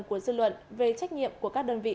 của dư luận về trách nhiệm của các đơn vị